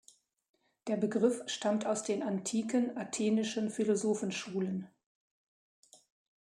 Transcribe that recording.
Der Begriff stammt aus den antiken athenischen Philosophenschulen.